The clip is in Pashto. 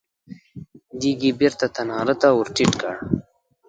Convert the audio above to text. دېګ يې بېرته تناره ته ور ټيټ کړ.